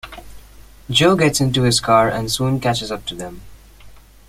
Joe gets into his car and soon catches up to them.